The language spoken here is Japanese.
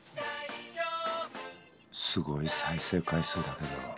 すごい再生回数だけど。